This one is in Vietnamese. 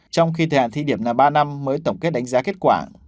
trong khi thời hạn thí điểm là ba năm mới tổng kết đánh giá kết quả